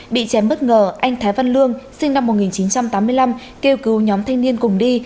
bị chém bất ngờ anh thái văn lương sinh năm một nghìn chín trăm tám mươi năm kêu cứu nhóm thanh niên cùng đi